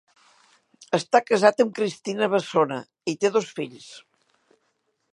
Està casat amb Cristina Bessone i té dos fills.